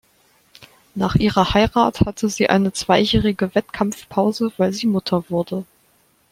Nach ihrer Heirat hatte sie eine zweijährige Wettkampfpause, weil sie Mutter wurde.